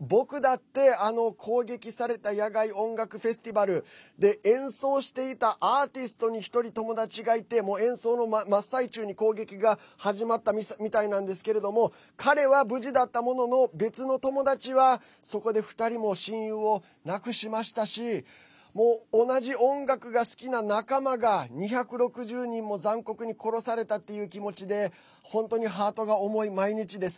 僕だって攻撃された野外音楽フェスティバルで演奏していたアーティストに１人、友達がいて演奏の真っ最中に攻撃が始まったみたいなんですけど彼は無事だったものの別の友達はそこで２人も親友を亡くしましたし同じ音楽が好きな仲間が２６０人も残酷に殺されたっていう気持ちで本当にハートが重い毎日です。